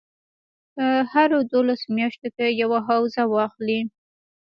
په هرو دولسو میاشتو کې یوه حوزه واخلي.